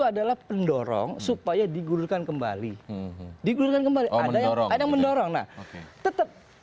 adalah pendorong supaya digulirkan kembali digunakan kembali orang yang mendorong tetep